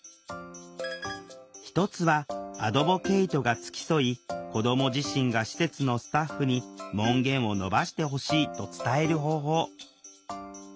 一つはアドボケイトが付き添い子ども自身が施設のスタッフに「門限を延ばしてほしい」と伝える方法。